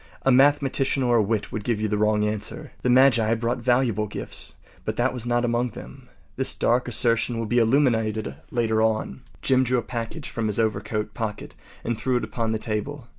A mathematician or a wit would give you the wrong answer. The magi brought valuable gifts, but that was not among them. This dark assertion will be illuminated later on. Jim drew a package from his overcoat pocket and threw it upon the table.